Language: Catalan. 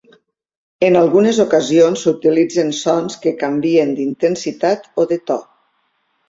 En algunes ocasions s'utilitzen sons que canvien d'intensitat o de to.